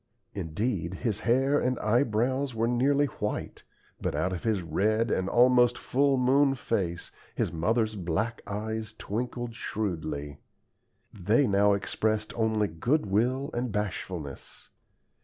Indeed his hair and eyebrows were nearly white, but out of his red and almost full moon face his mother's black eyes twinkled shrewdly. They now expressed only good will and bashfulness.